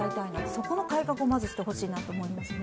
そこの改革をまずしてほしいなと思いますね。